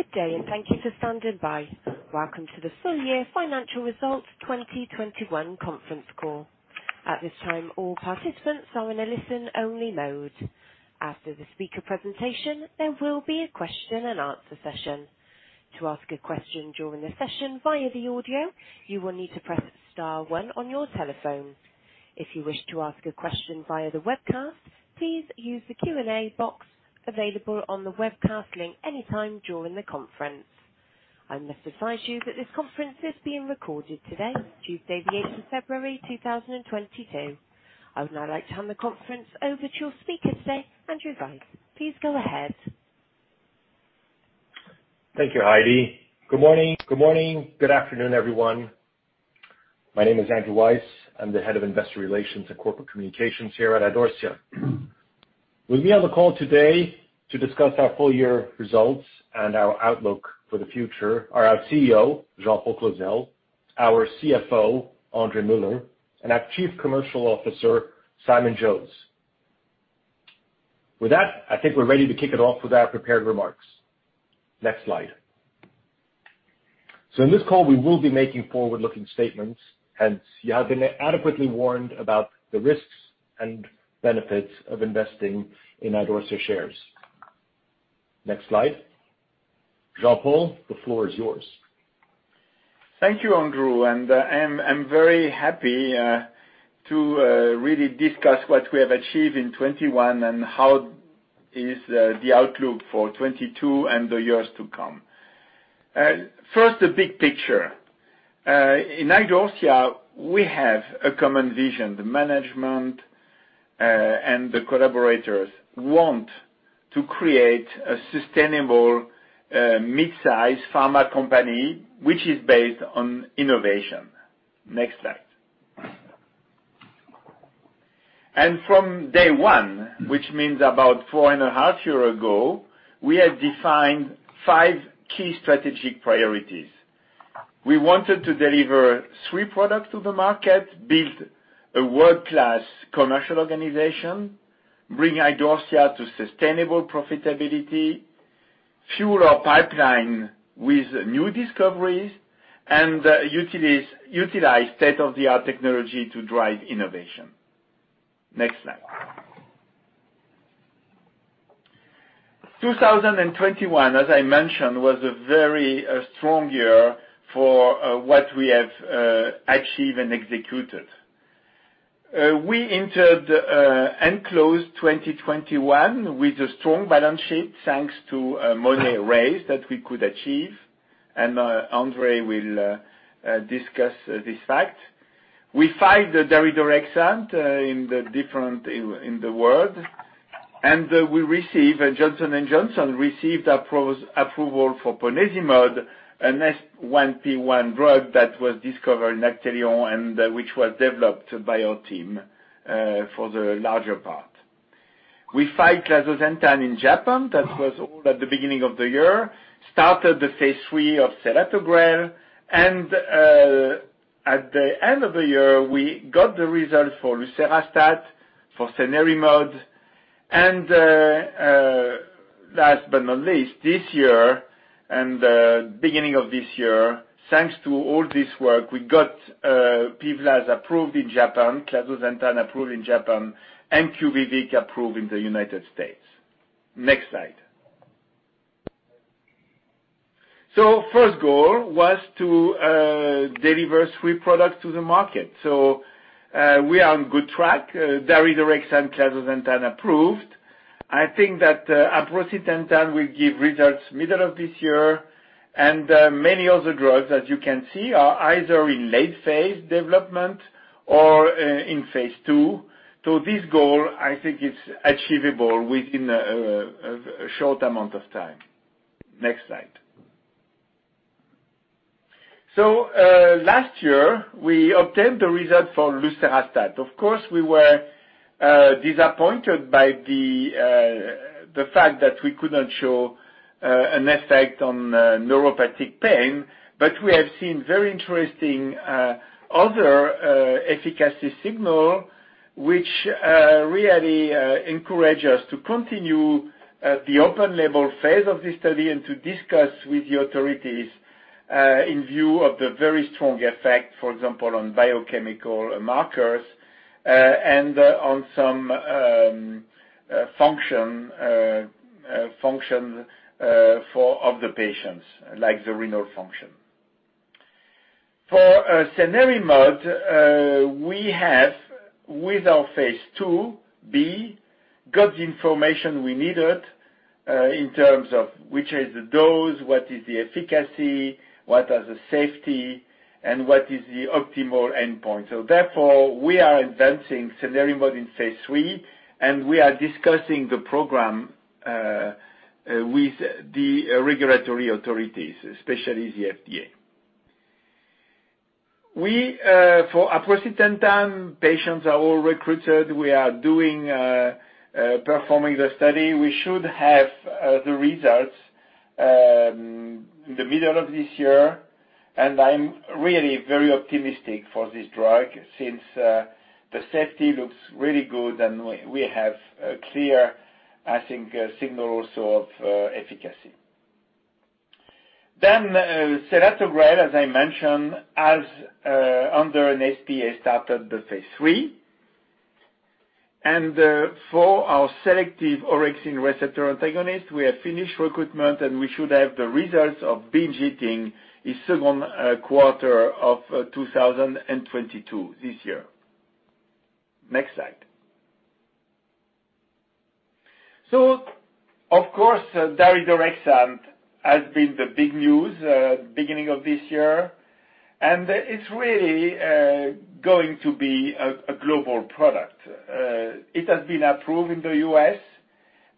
Good day, and thank you for standing by. Welcome to the full year financial results 2021 conference call. At this time, all participants are in a listen-only mode. After the speaker presentation, there will be a question and answer session. To ask a question during the session via the audio, you will need to press star one on your telephone. Thank you, Heidi. Good morning, good morning, good afternoon, everyone. My name is Andrew Weiss. I'm the head of Investor Relations and Corporate Communications here at Idorsia. With me on the call today to discuss our full year results and our outlook for the future are our CEO, Jean-Paul Clozel, our CFO, André Muller, and our Chief Commercial Officer, Simon Jones. Thank you, Andrew, and I'm very happy to really discuss what we have achieved in 2021 and how is the outlook for 2022 and the years to come. First, the big picture. In Idorsia we have a common vision. The management and the collaborators want to create a sustainable mid-size pharma company which is based on innovation. We entered and closed 2021 with a strong balance sheet, thanks to a money raise that we could achieve, and André will discuss this fact. We filed daridorexant in different countries in the world. Johnson & Johnson received approval for ponesimod, an S1P1 drug that was discovered in Actelion and which was developed by our team for the larger part. We filed clazosentan in Japan, that was all at the beginning of the year. We started phase III of selatogrel. At the end of the year, we got the results for lucerastat, for cenerimod, and last but not least, this year and the beginning of this year, thanks to all this work, we got PIVLAZ approved in Japan, clazosentan approved in Japan, and QUVIVIQ approved in the United States. Of course, we were disappointed by the fact that we could not show an effect on neuropathic pain. We have seen very interesting other efficacy signal, which really encourage us to continue the open label phase of this study and to discuss with the authorities in view of the very strong effect, for example, on biochemical markers and on some function of the patients, like the renal function. Therefore, we are advancing cenerimod in phase III, and we are discussing the program with the regulatory authorities, especially the FDA. For aprocitentan, patients are all recruited. We are performing the study. We should have the results in the middle of this year. I'm really very optimistic for this drug since the safety looks really good and we have a clear, I think, signal also of efficacy. Of course, daridorexant has been the big news beginning of this year, and it's really going to be a global product. It has been approved in the U.S.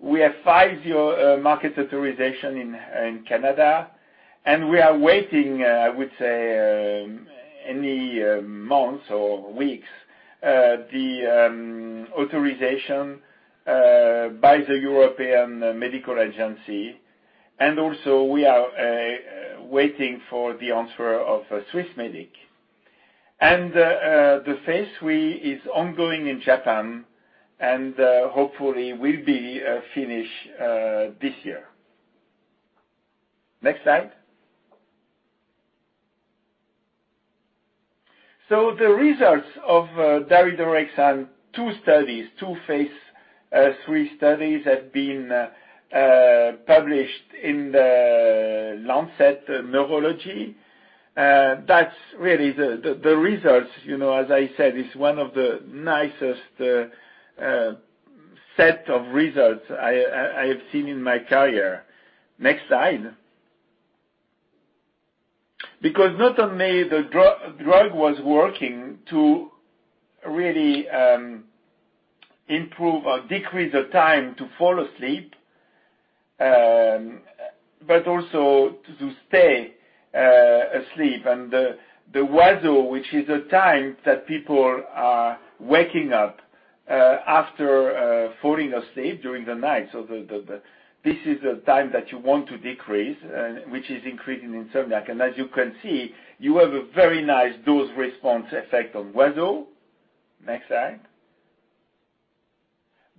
We have five-year market authorization in Canada, and we are waiting, I would say, any months or weeks the authorization by the European Medicines Agency. Because not only the drug was working to really improve or decrease the time to fall asleep, but also to stay asleep. The WASO, which is the time that people are waking up after falling asleep during the night. This is the time that you want to decrease, which is increased in insomniacs. As you can see, you have a very nice dose-response effect on WASO. Next slide.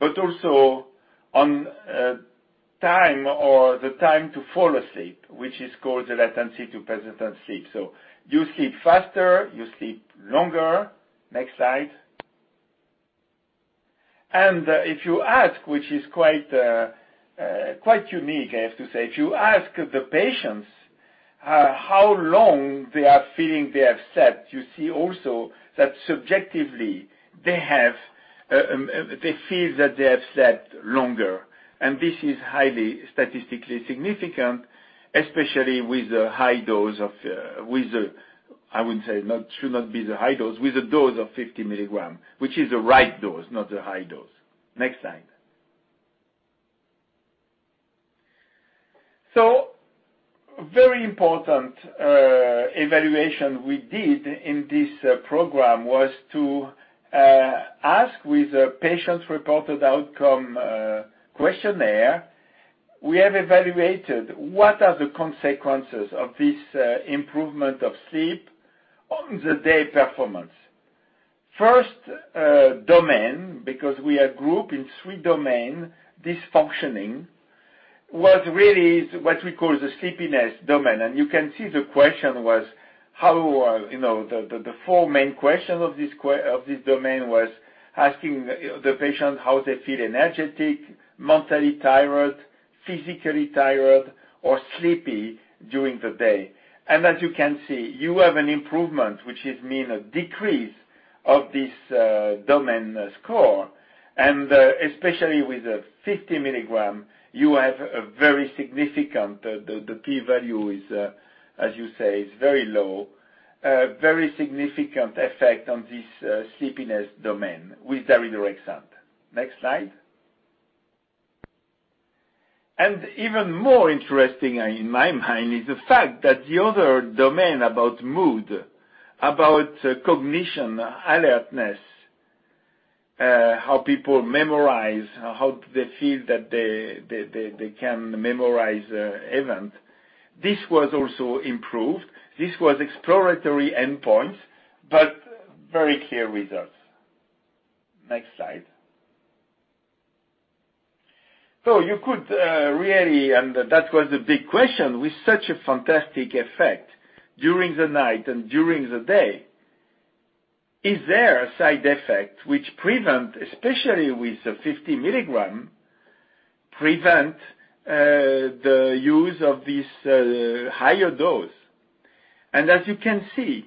Also on time to fall asleep, which is called the latency to persistent sleep. You sleep faster, you sleep longer. Next slide. If you ask, which is quite unique, I have to say, if you ask the patients how long they are feeling they have slept, you see also that subjectively they feel that they have slept longer. This is highly statistically significant, especially with the high dose. You can see the question was how, you know, the four main questions of this domain was asking the patients how they feel energetic, mentally tired, physically tired, or sleepy during the day. You can see you have an improvement, which means a decrease of this domain score, and especially with the 50 mg, you have a very significant, the p-value is, as you say, is very low, a very significant effect on this sleepiness domain with daridorexant. You could really, and that was the big question, with such a fantastic effect during the night and during the day, is there a side effect which prevent, especially with the 50 milligram, the use of this higher dose? As you can see,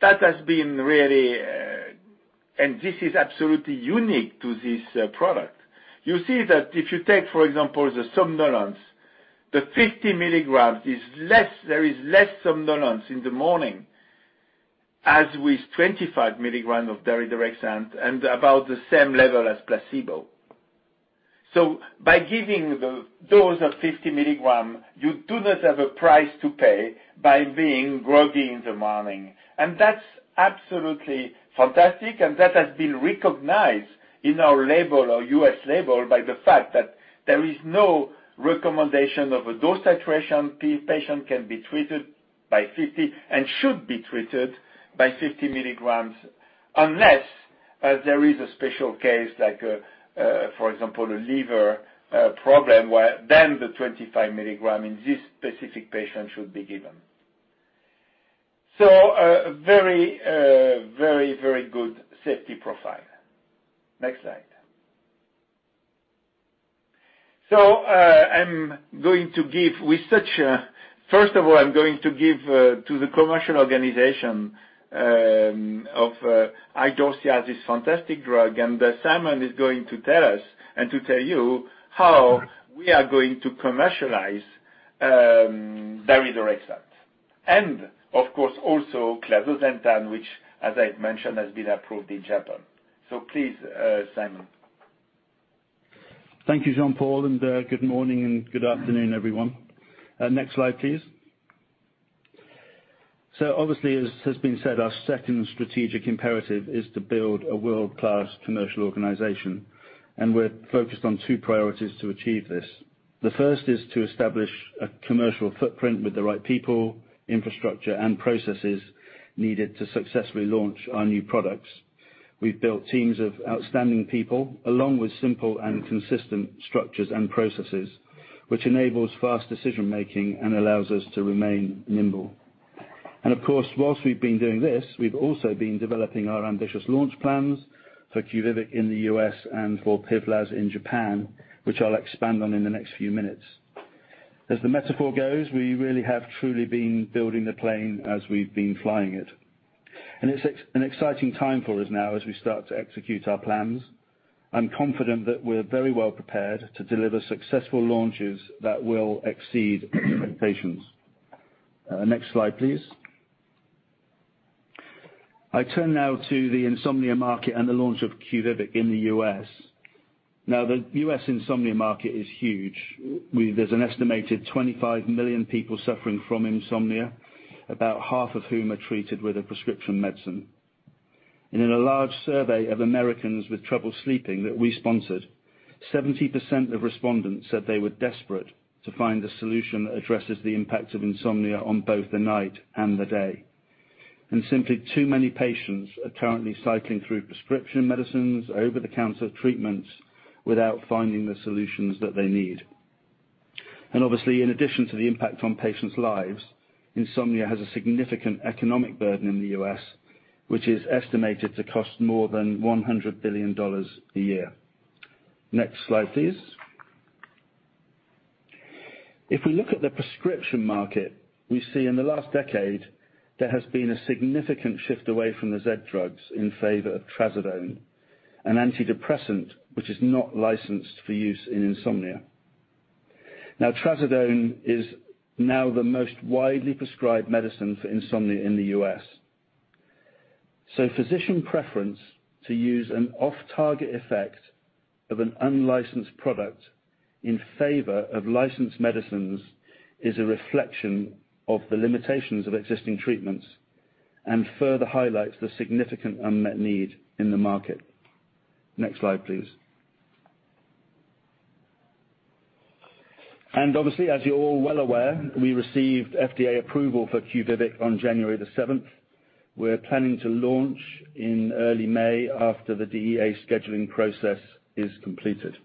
that has been really, and this is absolutely unique to this product. Patient can be treated by 50, and should be treated by 50 milligrams, unless there is a special case like, for example, a liver problem where then the 25 milligram in this specific patient should be given. A very good safety profile. Thank you, Jean-Paul, and good morning and good afternoon, everyone. Next slide, please. Obviously, as has been said, our second strategic imperative is to build a world-class commercial organization, and we're focused on two priorities to achieve this. As the metaphor goes, we really have truly been building the plane as we've been flying it, and it's an exciting time for us now as we start to execute our plans. I'm confident that we're very well prepared to deliver successful launches that will exceed expectations. Simply too many patients are currently cycling through prescription medicines, over-the-counter treatments without finding the solutions that they need. Obviously, in addition to the impact on patients' lives, insomnia has a significant economic burden in the U.S., which is estimated to cost more than $100 billion a year. Obviously, as you're all well aware, we received FDA approval for QUVIVIQ on January the seventh. We're planning to launch in early May after the DEA scheduling process is completed.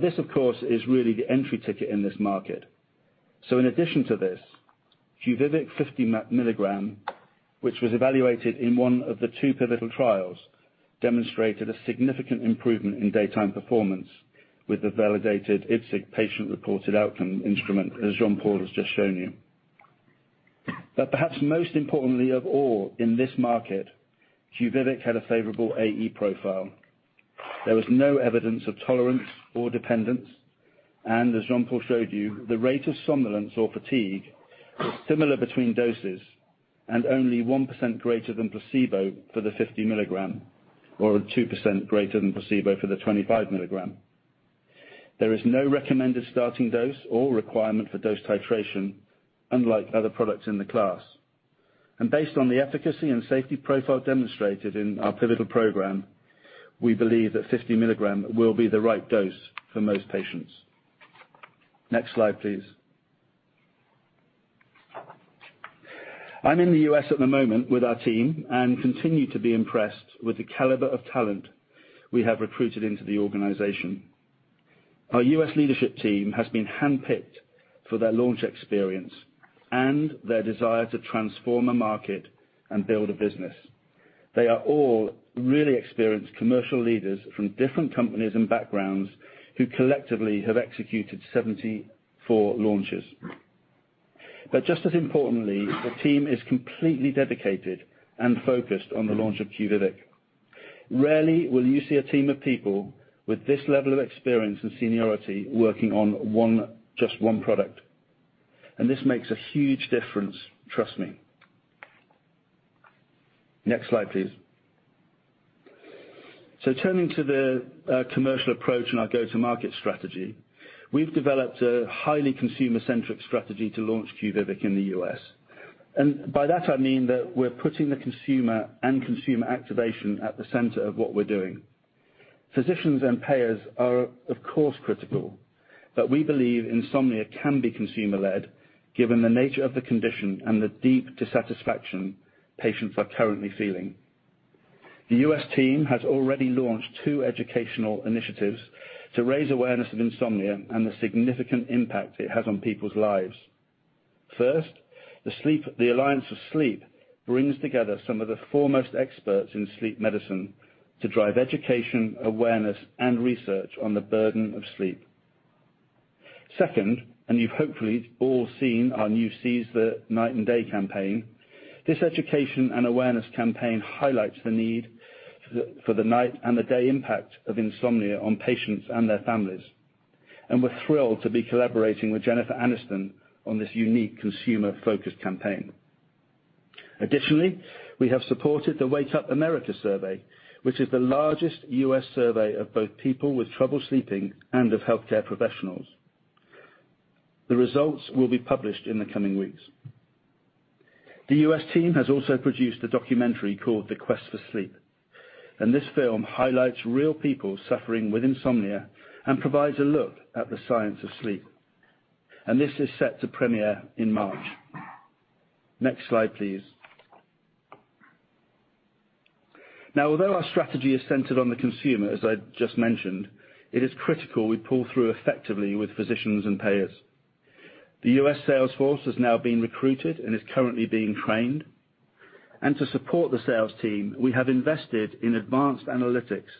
This, of course, is really the entry ticket in this market. In addition to this, QUVIVIQ 50-milligram, which was evaluated in one of the two pivotal trials, demonstrated a significant improvement in daytime performance with the validated IDSIQ patient-reported outcome instrument, as Jean-Paul has just shown you. Based on the efficacy and safety profile demonstrated in our pivotal program, we believe that 50 milligram will be the right dose for most patients. Next slide, please. I'm in the U.S. at the moment with our team and continue to be impressed with the caliber of talent we have recruited into the organization. Turning to the commercial approach and our go-to-market strategy, we've developed a highly consumer-centric strategy to launch QUVIVIQ in the U.S. By that, I mean that we're putting the consumer and consumer activation at the center of what we're doing. This education and awareness campaign highlights the need for the night and the day impact of insomnia on patients and their families. We're thrilled to be collaborating with Jennifer Aniston on this unique consumer-focused campaign. The U.S. sales force has now been recruited and is currently being trained. To support the sales team, we have invested in advanced analytics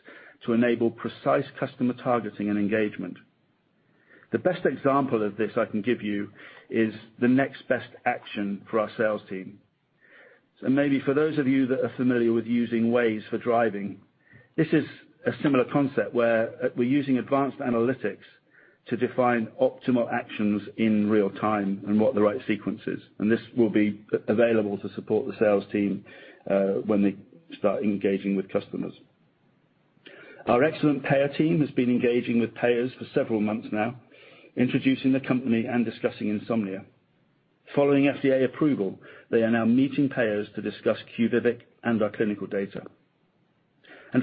to enable precise customer targeting and engagement.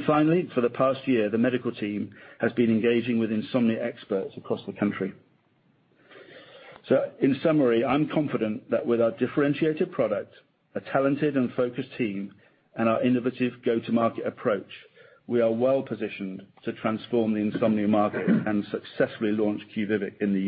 Finally, for the past year, the medical team has been engaging with insomnia experts across the country. In summary, I'm confident that with our differentiated product, a talented and focused team, and our innovative go-to-market approach, we are well-positioned to transform the insomnia market and successfully launch QUVIVIQ in the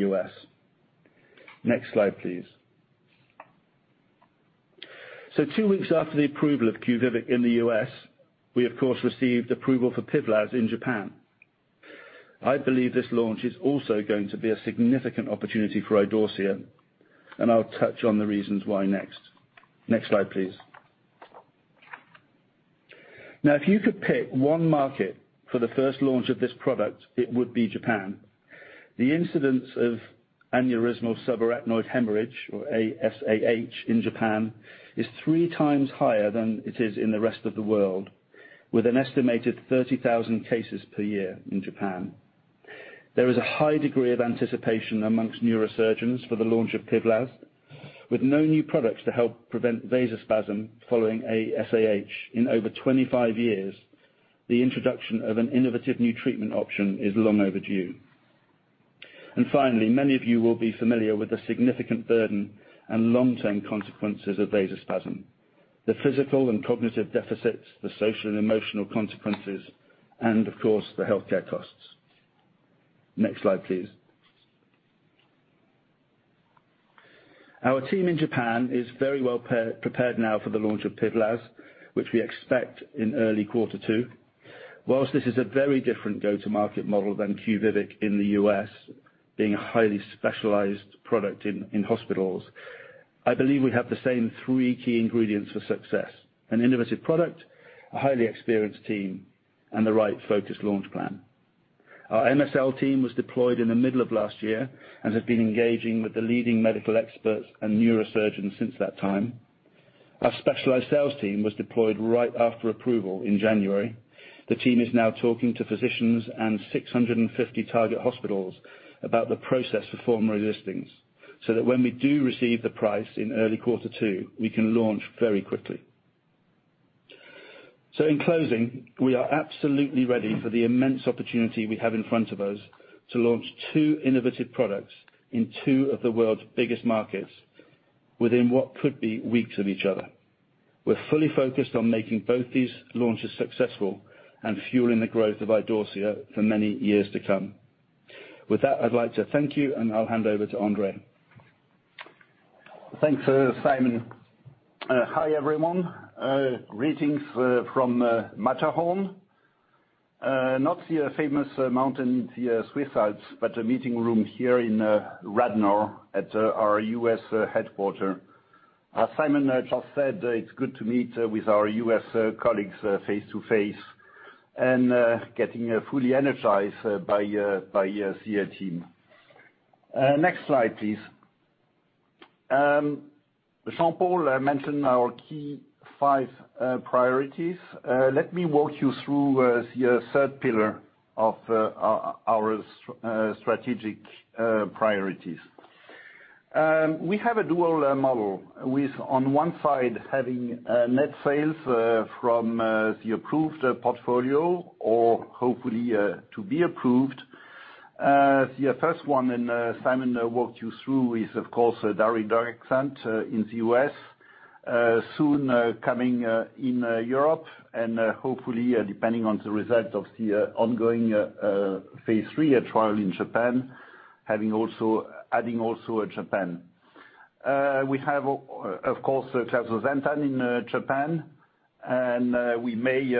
U.S. The incidence of aneurysmal subarachnoid hemorrhage or ASAH in Japan is three times higher than it is in the rest of the world, with an estimated 30,000 cases per year in Japan. There is a high degree of anticipation amongst neurosurgeons for the launch of PIVLAZ. While this is a very different go-to-market model than QUVIVIQ in the US, being a highly specialized product in hospitals, I believe we have the same three key ingredients for success, an innovative product, a highly experienced team, and the right focused launch plan. In closing, we are absolutely ready for the immense opportunity we have in front of us to launch two innovative products in two of the world's biggest markets within what could be weeks of each other. We're fully focused on making both these launches successful and fueling the growth of Idorsia for many years to come. With that, I'd like to thank you, and I'll hand over to André. Thanks, Simon. Hi, everyone. Greetings from Matterhorn. Not the famous mountain in the Swiss Alps, but a meeting room here in Radnor at our U.S. headquarters. As Simon just said, it's good to meet with our U.S. colleagues face to face and getting fully energized by your senior team. Soon coming in Europe and hopefully, depending on the result of the ongoing phase III trial in Japan, adding Japan. We have, of course, clazosentan in Japan, and we may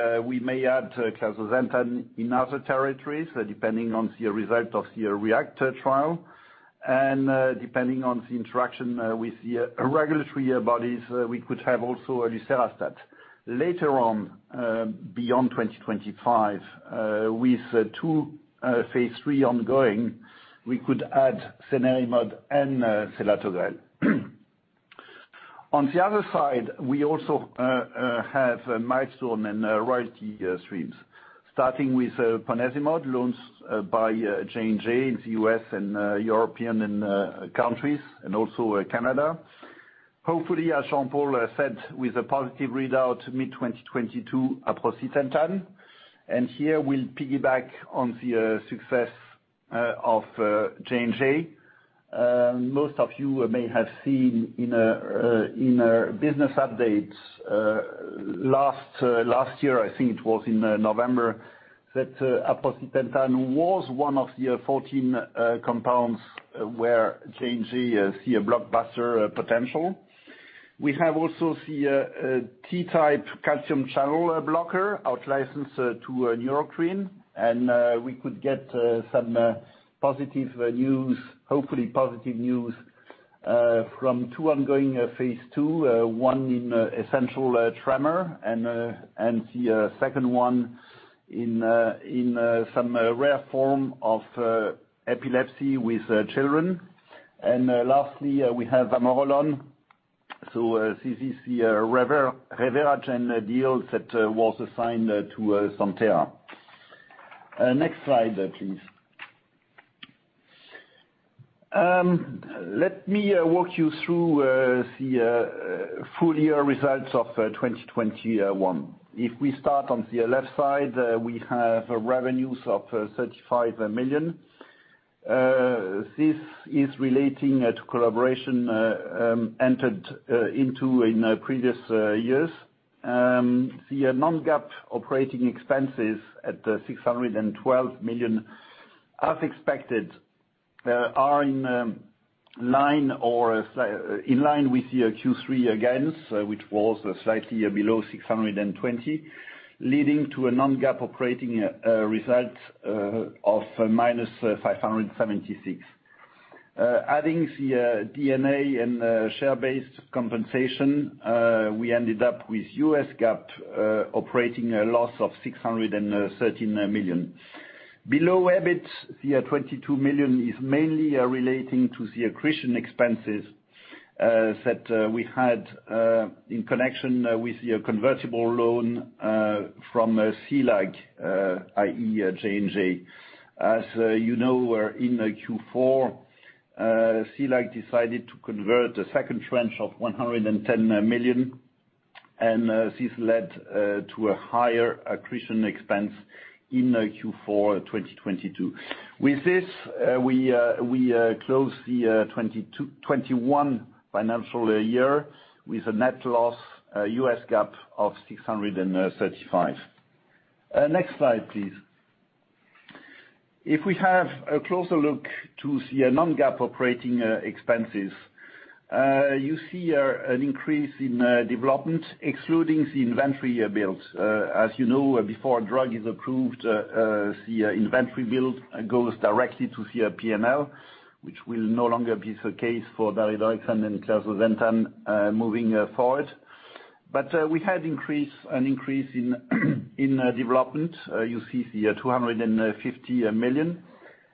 add clazosentan in other territories, depending on the result of the REACT trial. Most of you may have seen in a business update last year, I think it was in November, that aprocitentan was one of the 14 compounds where J&J sees a blockbuster potential. We have also the T-type calcium channel blocker outlicensed to Neurocrine, and we could get some positive news, hopefully positive news from two ongoing phase II, one in essential tremor and the second one in some rare form of epilepsy with children. This is relating to collaboration entered into in previous years. The non-GAAP operating expenses at 612 million, as expected, are in line with the Q3 guidance, which was slightly below 620, leading to a non-GAAP operating result of -576. With this, we closed the 2021 financial year with a net loss US GAAP of 635 million. Next slide, please. If we have a closer look at the non-GAAP operating expenses, you see an increase in development, excluding the inventory build.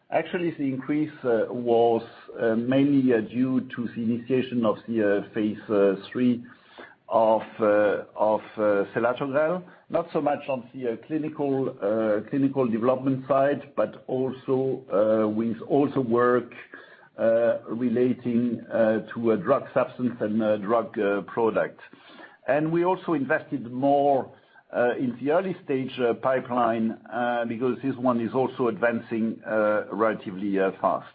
Not so much on the clinical development side, but also with work relating to a drug substance and a drug product. We also invested more in the early-stage pipeline because this one is also advancing relatively fast.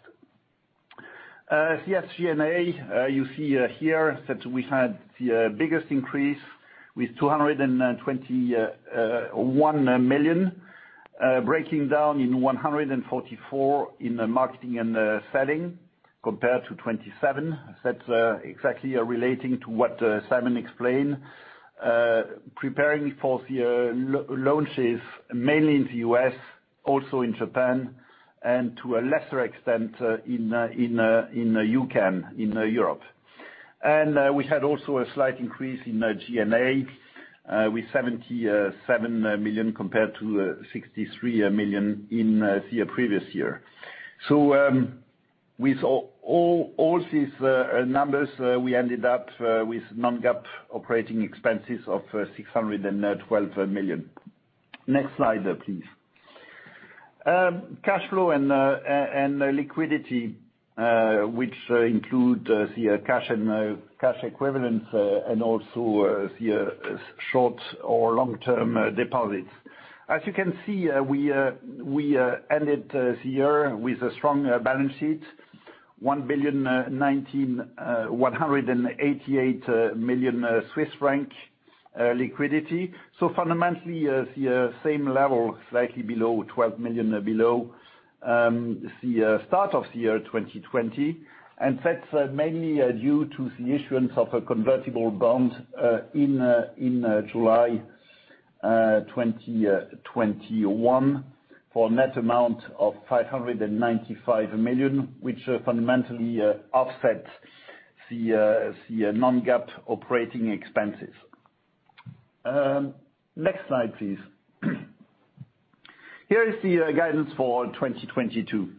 We had also a slight increase in the G&A with CHF 77 million compared to 63 million in the previous year. With all these numbers, we ended up with non-GAAP operating expenses of CHF 612 million. Next slide, please. That's mainly due to the issuance of a convertible bond in July 2021 for net amount of 595 million, which fundamentally offsets the non-GAAP operating expenses. Next slide, please. Here is the guidance for 2022.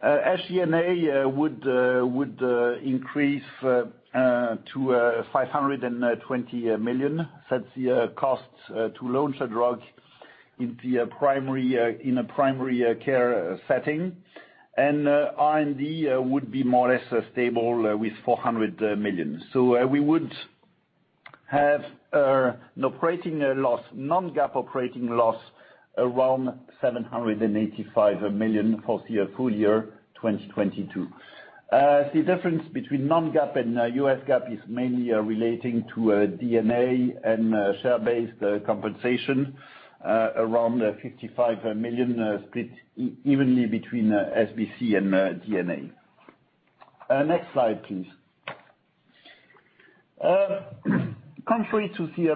That's the cost to launch a drug in a primary care setting. R&D would be more or less stable with 400 million. We would have an operating loss, non-GAAP operating loss, around 785 million for the full year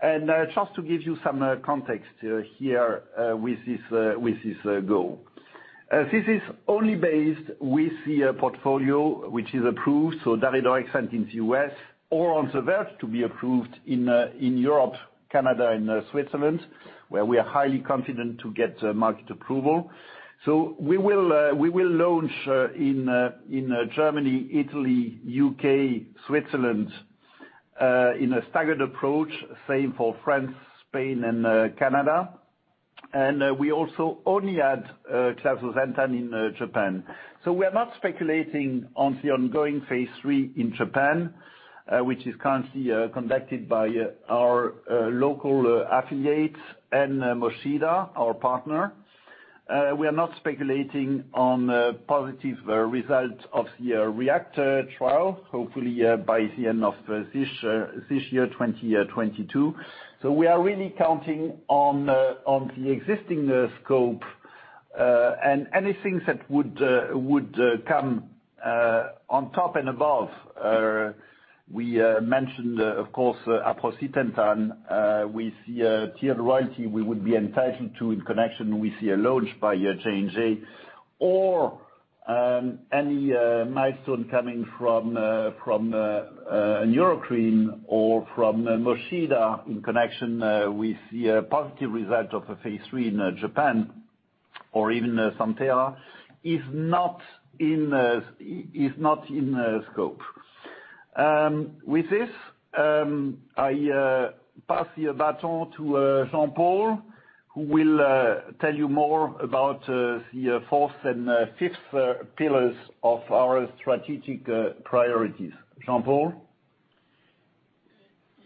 2022. Just to give you some context here with this goal. This is only based with the portfolio, which is approved, so daridorexant in the U.S., or on the verge to be approved in Europe, Canada, and Switzerland, where we are highly confident to get market approval. We are really counting on the existing scope and anything that would come on top and above. We mentioned, of course, aprocitentan with the tier royalty we would be entitled to in connection with the launch by JNJ or any milestone coming from Neurocrine or from Mochida in connection with the positive result of a phase III in Japan or even Santhera is not in scope. With this, I pass the baton to Jean-Paul, who will tell you more about the fourth and fifth pillars of our strategic priorities. Jean-Paul?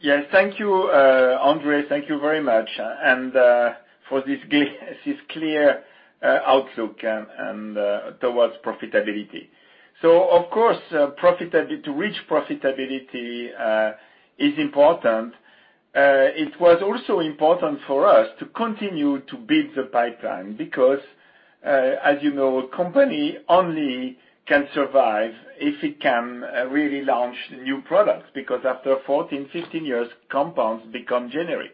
Yes. Thank you, André, thank you very much for this clear outlook and towards profitability. Of course, to reach profitability is important. It was also important for us to continue to build the pipeline because, as you know, a company only can survive if it can really launch new products, because after 14, 15 years, compounds become generic.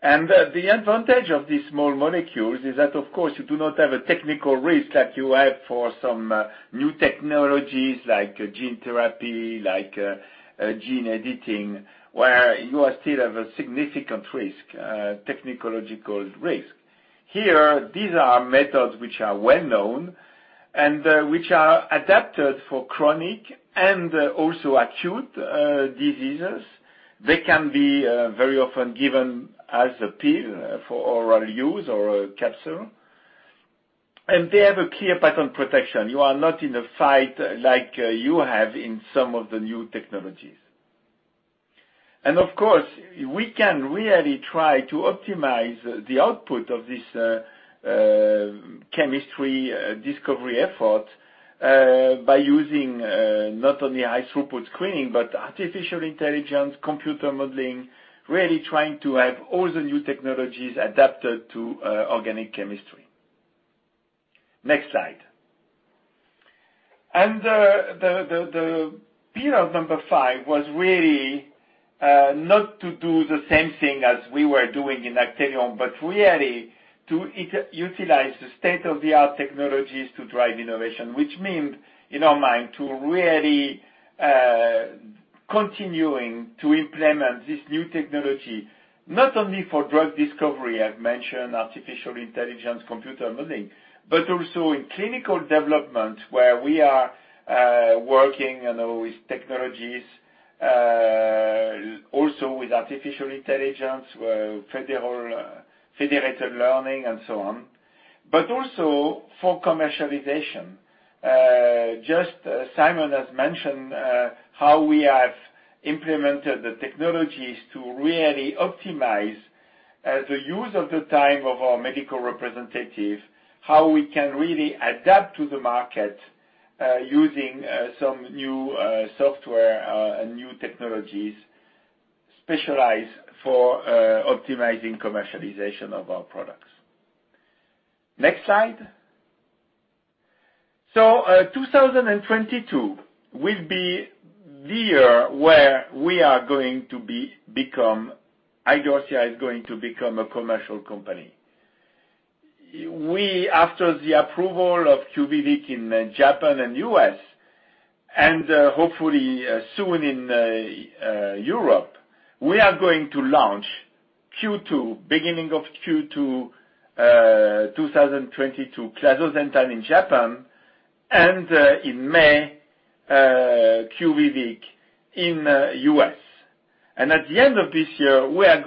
The advantage of these small molecules is that of course you do not have a technical risk like you have for some new technologies like gene therapy, like, gene editing, where you still have a significant risk, technological risk. The pillar number five was really not to do the same thing as we were doing in Actelion, but really to utilize the state-of-the-art technologies to drive innovation, which means, in our mind, to really continuing to implement this new technology, not only for drug discovery, I've mentioned artificial intelligence, computer modeling, but also in clinical development, where we are working, you know, with technologies also with artificial intelligence, federated learning and so on, but also for commercialization. 2022 will be the year where we are going to become, Idorsia is going to become a commercial company. After the approval of QUVIVIQ in Japan and U.S., and hopefully soon in Europe, we are going to launch in Q2, beginning of Q2 2020 clazosentan in Japan and in May QUVIVIQ in U.S. Cenerimod will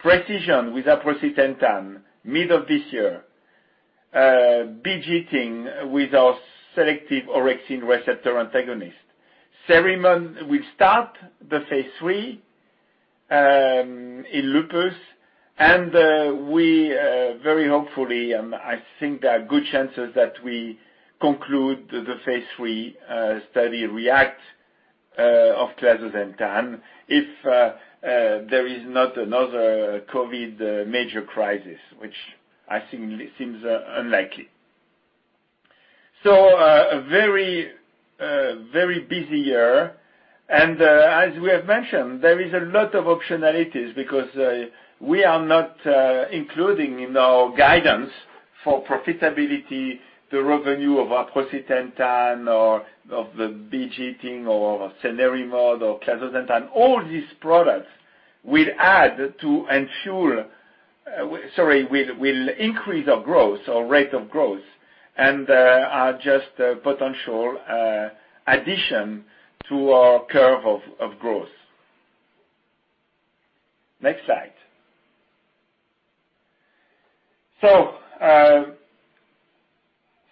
start the phase III in lupus and we very hopefully, and I think there are good chances that we conclude the phase III study REACT of clazosentan if there is not another COVID major crisis, which I think seems unlikely.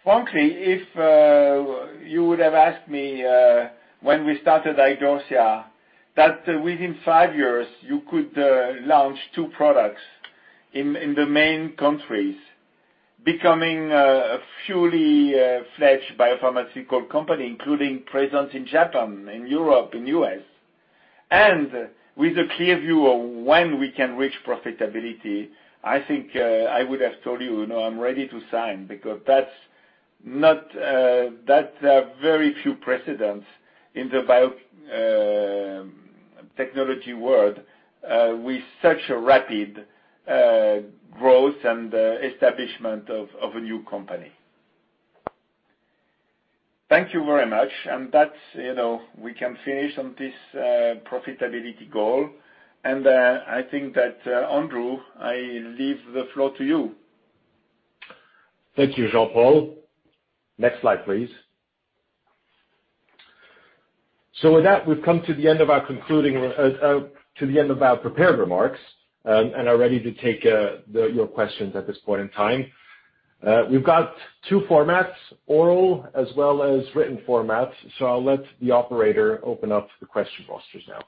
Frankly, if you would have asked me when we started Idorsia that within five years you could launch two products in the main countries, becoming a fully fledged biopharmaceutical company, including presence in Japan, in Europe, in U.S., and with a clear view of when we can reach profitability, I think I would have told you, "You know, I'm ready to sign," because that's not that have very few precedents in the bio- Technology world, with such a rapid growth and establishment of a new company. Thank you very much. That's, you know, we can finish on this profitability goal. I think that Andrew, I leave the floor to you. Thank you, Jean-Paul. Next slide, please. With that, we've come to the end of our prepared remarks, and are ready to take your questions at this point in time. We've got two formats, oral as well as written format, so I'll let the operator open up the question rosters now.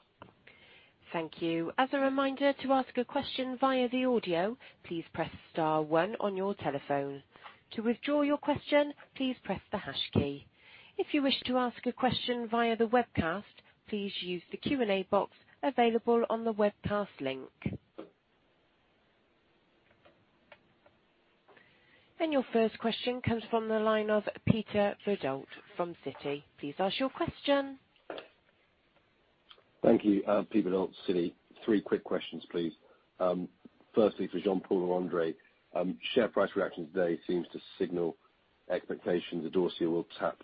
Thank you. As a reminder to ask a question via the audio, please press star one on your telephone. To withdraw your question, please press the hash key. If you wish to ask a question via the webcast, please use the Q&A box available on the webcast link. Your first question comes from the line of Peter Welford from Citi. Please ask your question. Thank you. Peter Welford, Citi. 3 quick questions, please. Firstly, for Jean-Paul and André, share price reaction today seems to signal expectations that Idorsia will tap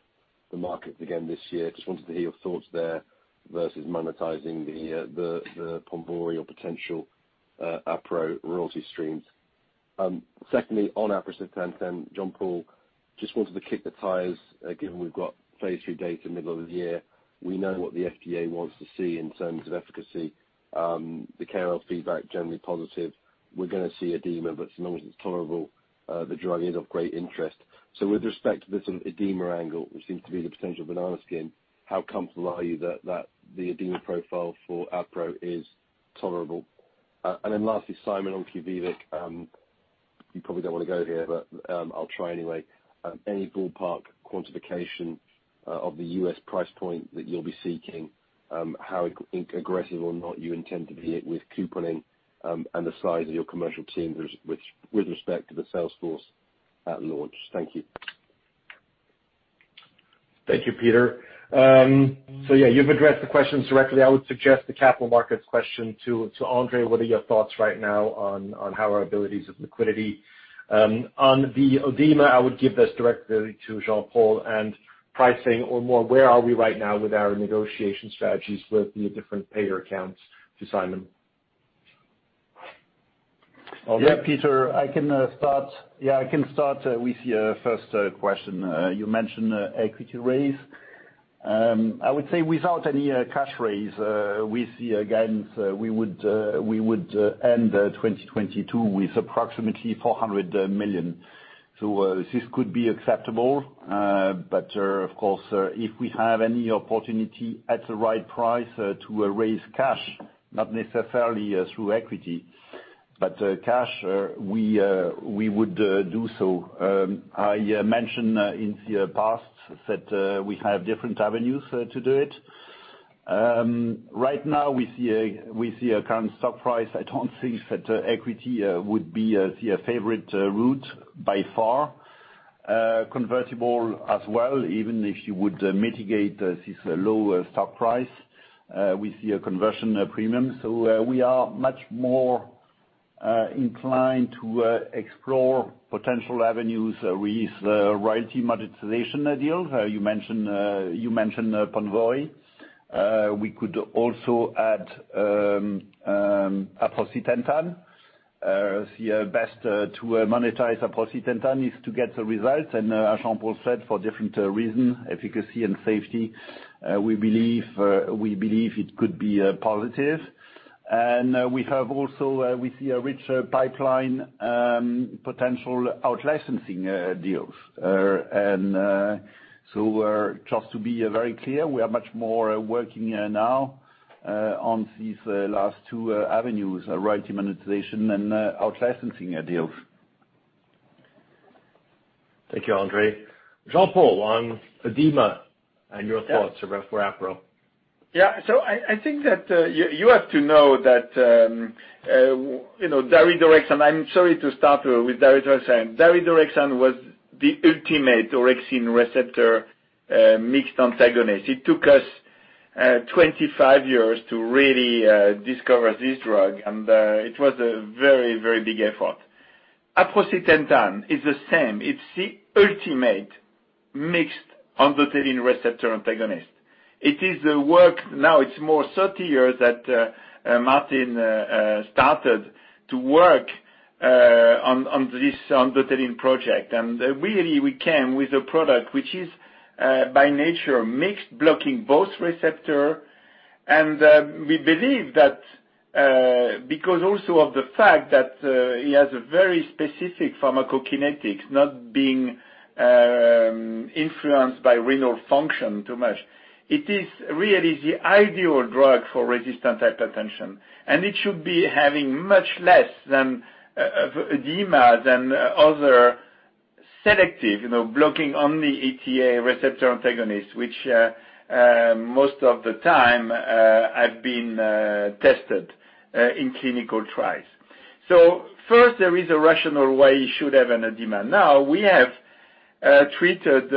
the market again this year. Just wanted to hear your thoughts there versus monetizing the Ponvory or potential Apro royalty streams. Lastly, Simon, on QUVIVIQ, you probably don't wanna go here, but I'll try anyway. Any ballpark quantification of the U.S. price point that you'll be seeking, how aggressive or not you intend to be with couponing, and the size of your commercial team with respect to the sales force at launch? Thank you. hank you, Peter. Yeah, you've addressed the questions directly. I would suggest the capital markets question to André. What are your thoughts right now on our liquidity? On the edema, I would give this directly to Jean-Paul. Pricing or more, where are we right now with our negotiation strategies with the different payer accounts to Simon. Yeah, Peter, I can start. Yeah, I can start with your first question. You mentioned equity raise. I would say without any cash raise, we would end 2022 with approximately 400 million. This could be acceptable. We are much more inclined to explore potential avenues with royalty monetization deals. You mentioned Ponvory. We could also add aprocitentan. The best to monetize aprocitentan is to get the results. Thank you, André. Jean-Paul, on edema and your thoughts for aprocitentan. I think that you have to know that you know daridorexant. I'm sorry to start with daridorexant. Daridorexant was the ultimate orexin receptor mixed antagonist. It took us 25 years to really discover this drug, and it was a very, very big effort. It is really the ideal drug for resistant hypertension, and it should be having much less edema than other selective, you know, blocking only ETA receptor antagonist, which, most of the time, have been tested in clinical trials. First, there is a rationale why you should have an edema. Now, we have treated,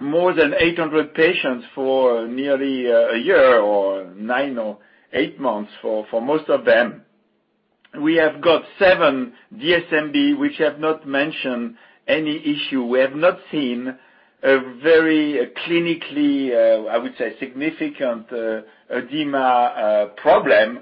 More than 800 patients for nearly a year or 9 or 8 months for most of them. We have 7 DSMB which have not mentioned any issue. We have not seen a very clinically, I would say, significant edema problem.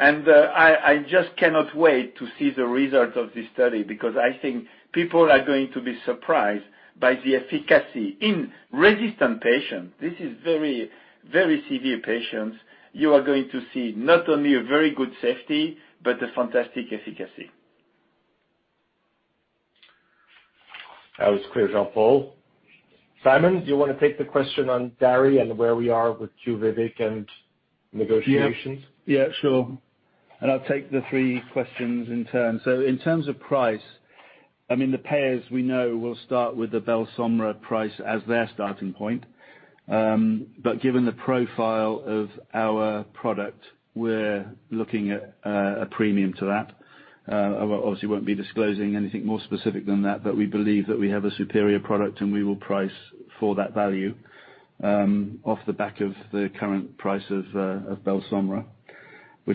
I just cannot wait to see the result of this study because I think people are going to be surprised by the efficacy in resistant patients. This is very severe patients. You are going to see not only a very good safety, but a fantastic efficacy. That was clear, Jean-Paul. Simon, do you want to take the question on daridorexant and where we are with QUVIVIQ and negotiations? Sure. I'll take the three questions in turn. In terms of price, I mean, the payers we know will start with the BELSOMRA price as their starting point. But given the profile of our product, we're looking at a premium to that. I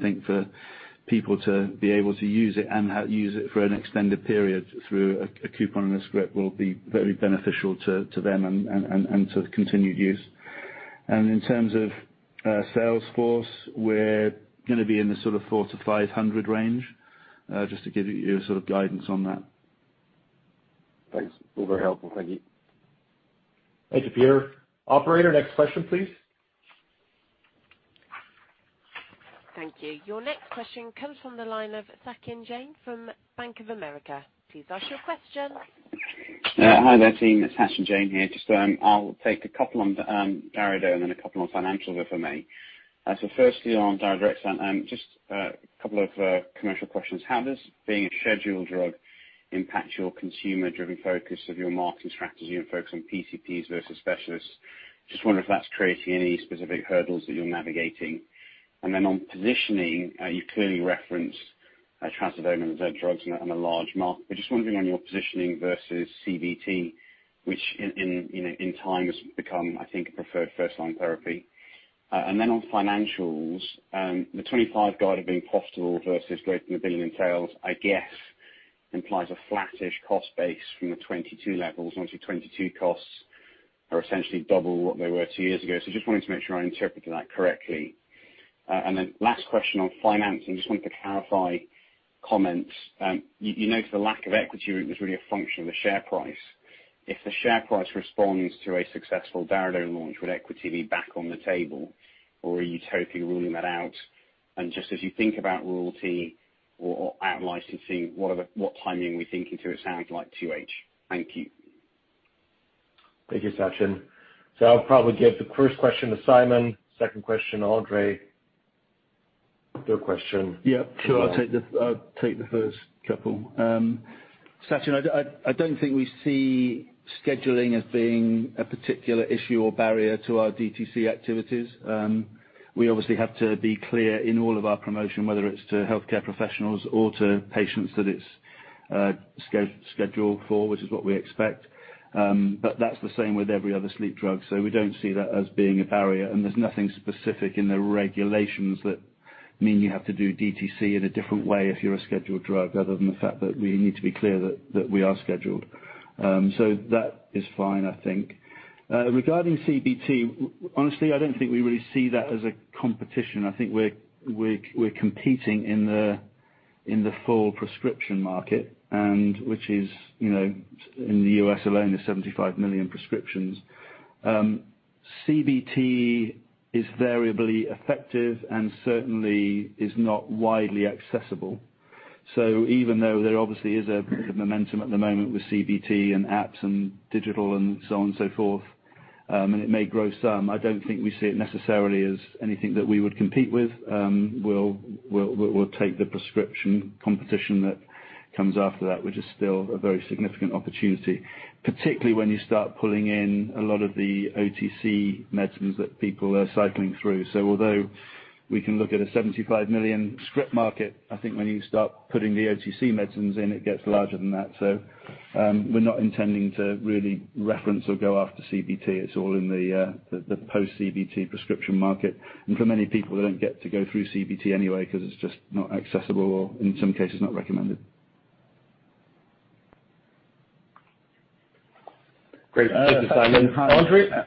think for people to be able to use it and have used it for an extended period through a coupon and a script will be very beneficial to them and to continued use. In terms of sales force, we're gonna be in the sort of 400-500 range, just to give you sort of guidance on that. Thanks. All very helpful. Thank you. Thank you, Peter. Operator, next question, please. Thank you. Your next question comes from the line of Sachin Jain from Bank of America. Please ask your question. Hi there, team. Sachin Jain here. Just, I'll take a couple on daridorexant and then a couple on financials, if I may. So firstly, on daridorexant, just a couple of commercial questions. How does being a scheduled drug impact your consumer-driven focus of your marketing strategy and focus on PCPs versus specialists? Just wanting to make sure I interpreted that correctly. Last question on financing, just wanted to clarify comments. You noted the lack of equity was really a function of the share price. If the share price responds to a successful daridorexant launch, would equity be back on the table? Or are you totally ruling that out? Just as you think about royalty or out-licensing, what timing are we thinking to? It sounds like 2H. Thank you. Thank you, Sachin. I'll probably give the first question to Simon, second question, André. Third question. I'll take the first couple. Sachin, I don't think we see scheduling as being a particular issue or barrier to our DTC activities. We obviously have to be clear in all of our promotion, whether it's to healthcare professionals or to patients, that it's scheduled for, which is what we expect. I think we're competing in the full prescription market, and which is, you know, in the U.S. alone 75 million prescriptions. CBT is variably effective and certainly is not widely accessible. Even though there obviously is a bit of momentum at the moment with CBT and apps and digital and so on and so forth, and it may grow some, I don't think we see it necessarily as anything that we would compete with. We're not intending to really reference or go after CBT. It's all in the post-CBT prescription market. For many people, they don't get to go through CBT anyway because it's just not accessible or in some cases not recommended. Great. Thank you, Simon. André?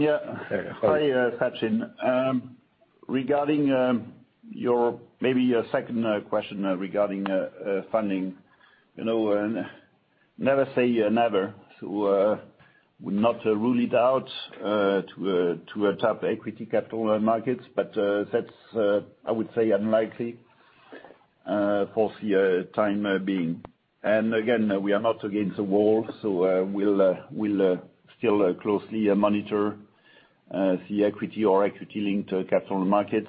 Hi, Sachin. Regarding your second question regarding funding, you know, never say never. Would not rule it out to adopt equity capital markets, but that's, I would say, unlikely for the time being. Again, we are not against the wall, we'll still closely monitor the equity or equity-linked capital markets.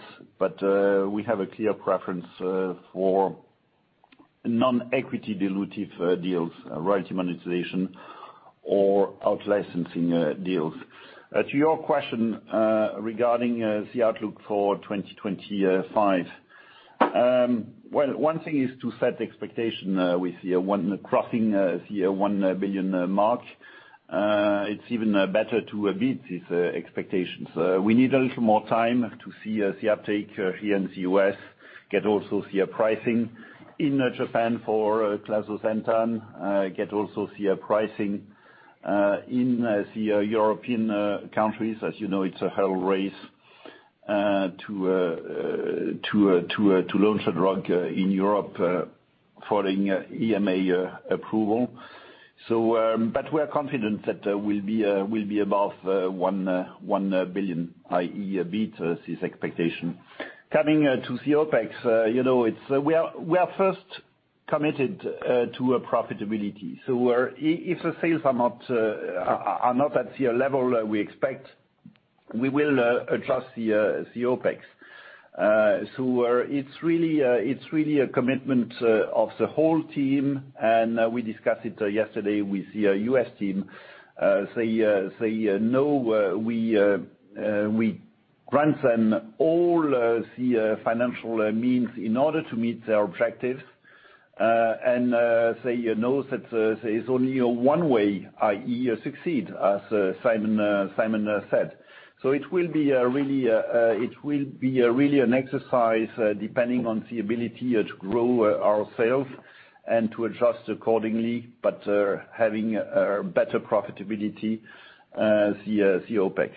We need a little more time to see the uptake here in the U.S., get also the pricing in Japan for clazosentan, get also the pricing in the European countries. As you know, it's a whole race to launch a drug in Europe following EMA approval. They know we grant them all the financial means in order to meet their objectives. They know that there's only one way, i.e., succeed, as Simon said. It will be really an exercise depending on the ability to grow ourself and to adjust accordingly, but having a better profitability the OpEx.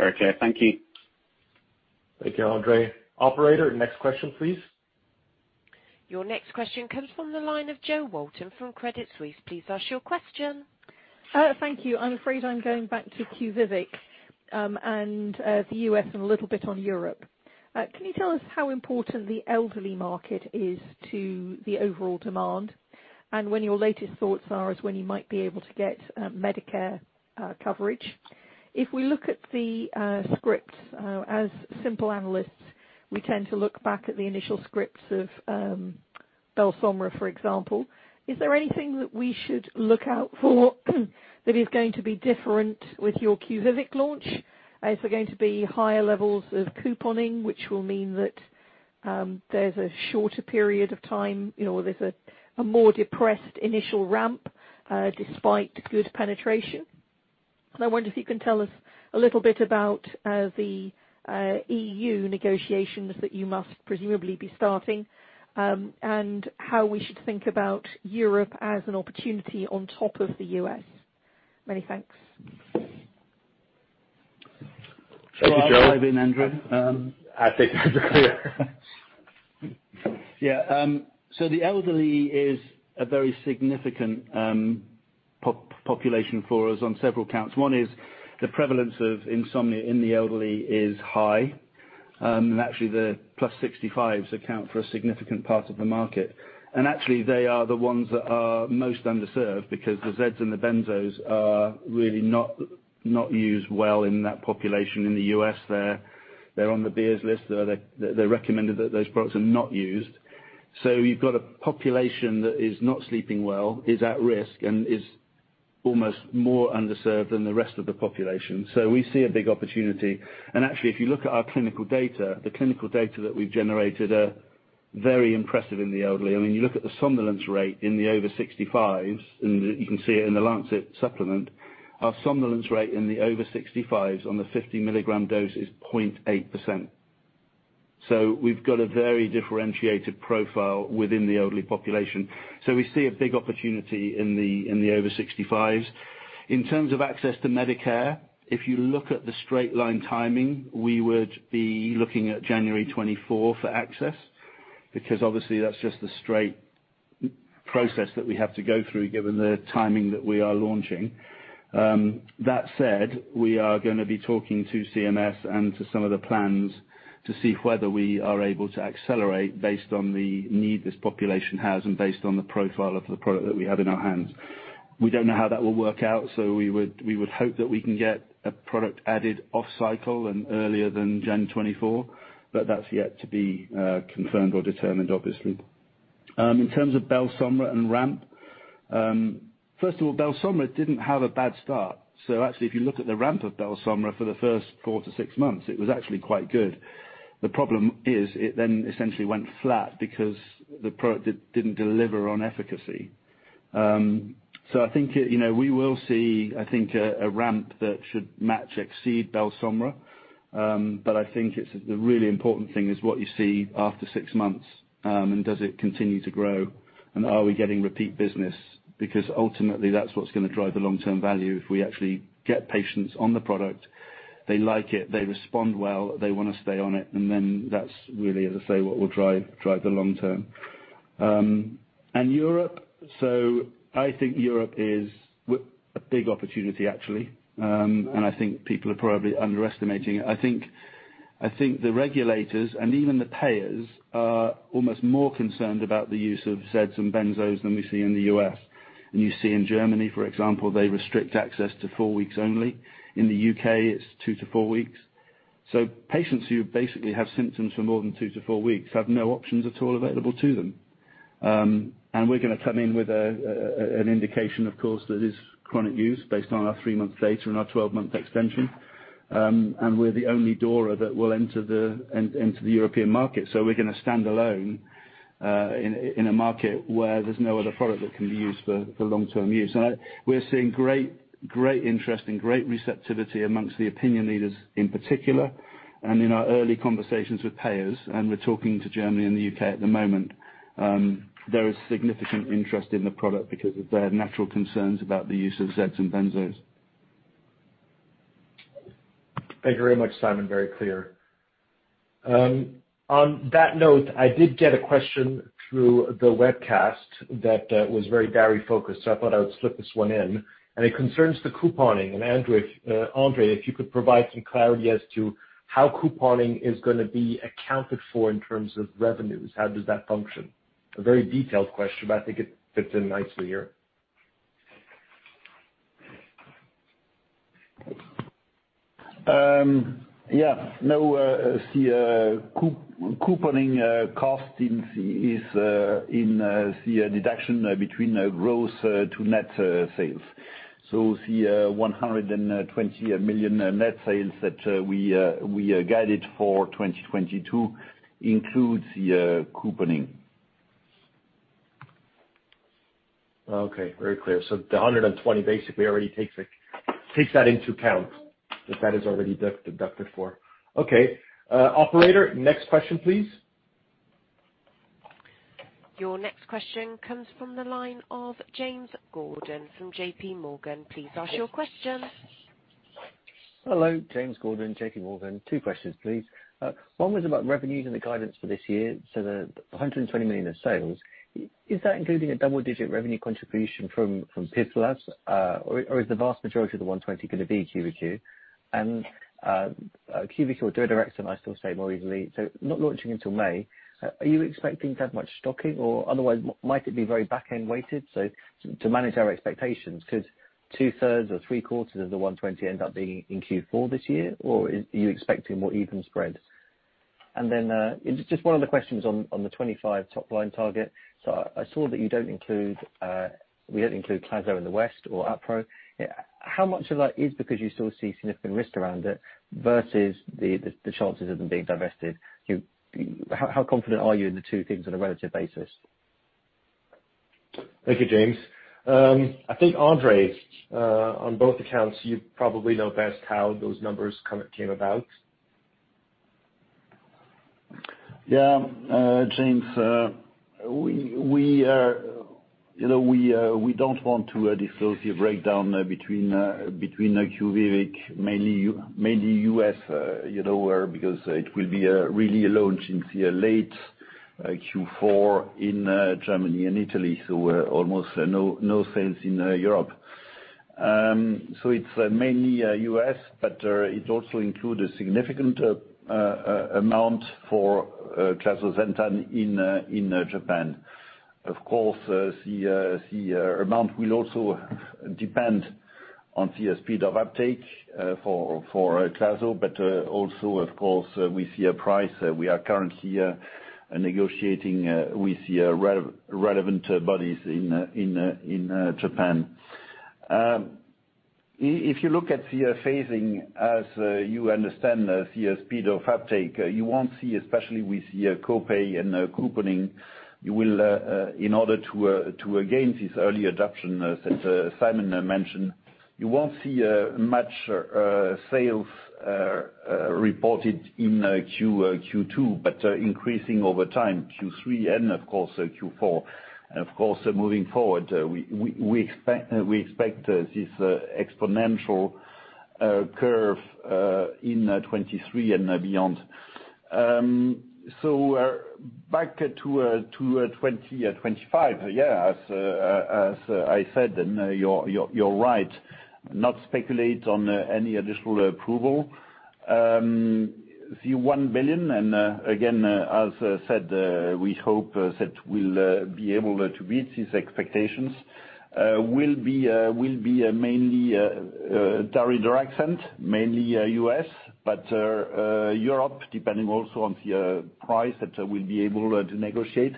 Okay, thank you. Thank you, André. Operator, next question, please. Your next question comes from the line of Jo Walton from Credit Suisse. Please ask your question. Thank you. I'm afraid I'm going back to QUVIVIQ, and the U.S. and a little bit on Europe. Can you tell us how important the elderly market is to the overall demand, and what your latest thoughts are on when you might be able to get Medicare coverage? I wonder if you can tell us a little bit about the EU negotiations that you must presumably be starting, and how we should think about Europe as an opportunity on top of the U.S. Many thanks. Thank you, Jo. Shall I dive in, Andrew? I think that's clear. Yeah. The elderly is a very significant population for us on several counts. One is the prevalence of insomnia in the elderly is high. Actually, the plus 65s account for a significant part of the market. Actually, they are the ones that are most underserved because the Z's and the benzos are really not used well in that population. I mean, you look at the somnolence rate in the over 65s, and you can see it in the Lancet supplement. Our somnolence rate in the over 65s on the 50-milligram dose is 0.8%. We've got a very differentiated profile within the elderly population. We see a big opportunity in the over 65s. We don't know how that will work out, so we would hope that we can get a product added off cycle and earlier than January 2024, but that's yet to be confirmed or determined, obviously. In terms of BELSOMRA and ramp, first of all, BELSOMRA didn't have a bad start. Actually, if you look at the ramp of BELSOMRA for the first 4-6 months, it was actually quite good. Because ultimately, that's what's gonna drive the long-term value if we actually get patients on the product. They like it, they respond well, they want to stay on it, and then that's really, as I say, what will drive the long-term. We're gonna come in with an indication, of course, that is chronic use based on our 3-month data and our 12-month extension. We're the only DORA that will enter the European market. We're gonna stand alone in a market where there's no other product that can be used for long-term use. Thank you very much, Simon. Very clear. On that note, I did get a question through the webcast that was very Gary-focused, so I thought I would slip this one in. It concerns the couponing. André, if you could provide some clarity as to how couponing is gonna be accounted for in terms of revenues. How does that function? A very detailed question, but I think it fits in nicely here. No, the couponing cost is in the deduction between gross to net sales. The 120 million net sales that we guided for 2022 includes the couponing. Okay, very clear. The 120 basically already takes that into account, that is already deducted for. Okay. Operator, next question, please. Your next question comes from the line of James Gordon from JP Morgan. Please ask your question. Hello. James Gordon, J.P. Morgan. Two questions, please. One was about revenues and the guidance for this year. The 120 million in sales, is that including a double-digit revenue contribution from PIVLAZ, or is the vast majority of the 120 gonna be QUVIVIQ? How much of that is because you still see significant risk around it versus the chances of them being divested? How confident are you in the two things on a relative basis? Thank you, James. I think André, on both accounts, you probably know best how those numbers kind of came about. Yeah. James, we are, you know, we don't want to disclose a breakdown between our QUVIVIQ, mainly U.S., you know, where because it will be really launched in the late Q4 in Germany and Italy, so almost no sales in Europe. If you look at the phasing as you understand the speed of uptake, you won't see, especially with the copay and the couponing, in order to gain this early adoption, as Simon mentioned, much sales reported in Q2, but increasing over time, Q3 and of course Q4. The CHF 1 billion, again, as said, we hope that we'll be able to beat these expectations. It will be mainly daridorexant, mainly U.S., but Europe, depending also on the price that we'll be able to negotiate,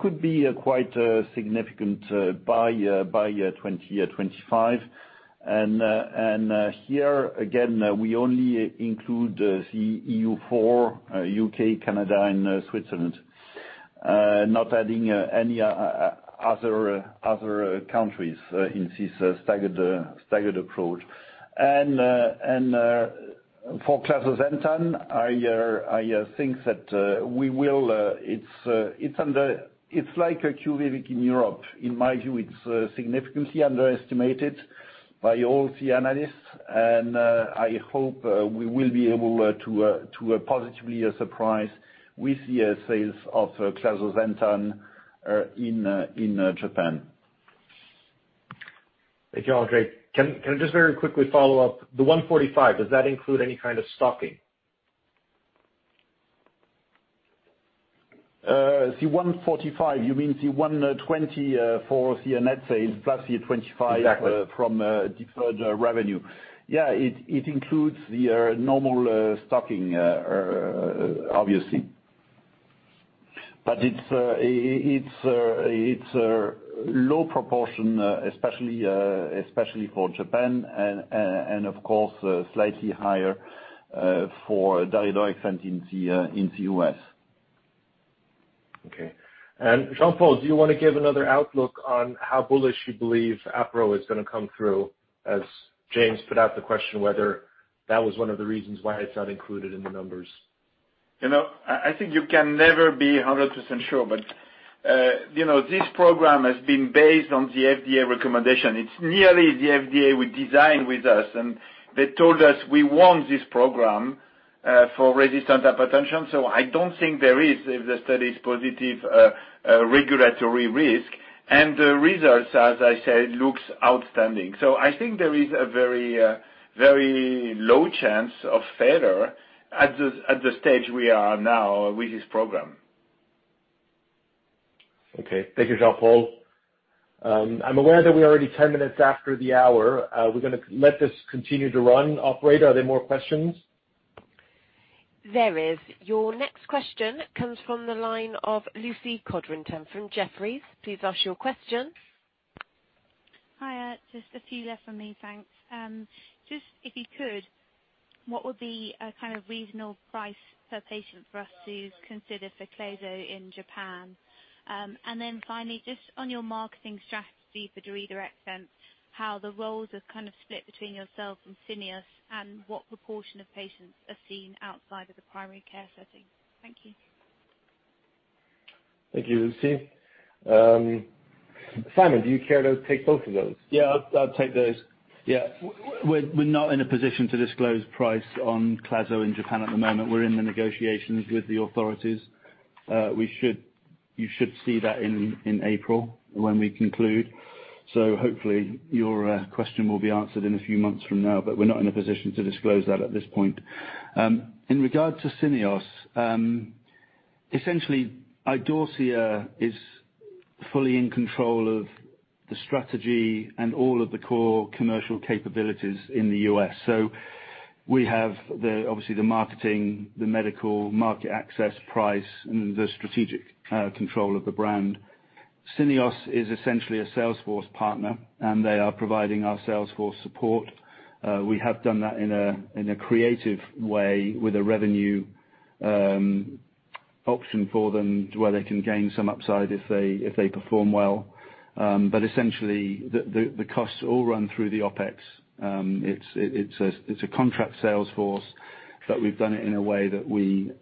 could be quite significant by 2025. By all the analysts, I hope we will be able to positively surprise with the sales of clazosentan in Japan. Thank you, André. Can I just very quickly follow up? The 145, does that include any kind of stocking? 145, you mean 120 for the net sales plus the 25- Exactly. from deferred revenue. Yeah. It includes the normal stocking, obviously. But it's a low proportion, especially for Japan and, of course, slightly higher for daridorexant in the U.S. Okay. Jean-Paul Clozel, do you wanna give another outlook on how bullish you believe aprocitentan is gonna come through, as James Gordon put out the question whether that was one of the reasons why it's not included in the numbers? I think you can never be 100% sure, but you know, this program has been based on the FDA recommendation. It's nearly the FDA would design with us, and they told us we want this program for resistant hypertension, so I don't think there is, if the study is positive, a regulatory risk. The results, as I said, looks outstanding. I think there is a very low chance of failure at the stage we are now with this program. Okay. Thank you, Jean-Paul. I'm aware that we are already 10 minutes after the hour. We're gonna let this continue to run. Operator, are there more questions? There is. Your next question comes from the line of Lucy Codrington from Jefferies. Please ask your question. Hi. Just a few left for me, thanks. Just if you could, what would be a kind of reasonable price per patient for us to consider for clazosentan in Japan? Then finally, just on your marketing strategy for daridorexant, how the roles are kind of split between yourself and Syneos, and what proportion of patients are seen outside of the primary care setting? Thank you. Thank you, Lucy. Simon, do you care to take both of those? I'll take those. We're not in a position to disclose price on clazosentan in Japan at the moment. We're in the negotiations with the authorities. You should see that in April when we conclude. We have done that in a creative way with a revenue option for them where they can gain some upside if they perform well. But essentially, the costs all run through the OpEx. It's a contract sales force, but we've done it in a way that we